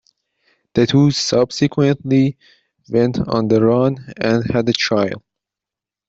The two subsequently went on the run and had a child.